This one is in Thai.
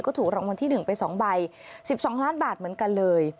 ก็ถูกรางวัลที่๑ไป๒ใบ๑๒ล้านบาทเหมือนกันเลย